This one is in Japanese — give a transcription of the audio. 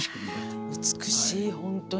いや美しい本当に。